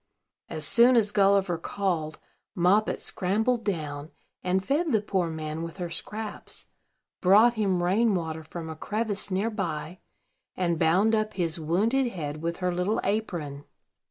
As soon as Gulliver called, Moppet scrambled down, and fed the poor man with her scraps, brought him rain water from a crevice near by, and bound up his wounded head with her little apron.